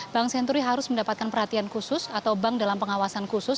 bank senturi harus mendapatkan perhatian khusus atau bank dalam pengawasan khusus